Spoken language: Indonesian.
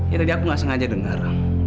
ya tadi aku nggak sengaja dengar